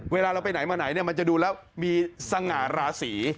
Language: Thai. เวลาเราไปไหนมาไหนเนี่ยมันจะดูแล้วมีสง่าราศี